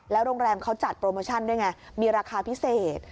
โรงแรมเขาจัดโปรโมชั่นด้วยไงมีราคาพิเศษ